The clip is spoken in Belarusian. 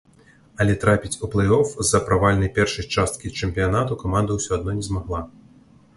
Але трапіць у плэй-оф з-за правальнай першай часткі чэмпіянату каманда ўсё адно не змагла.